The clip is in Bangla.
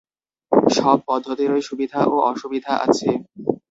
সব পদ্ধতিরই সুবিধা ও অসুবিধা আছে।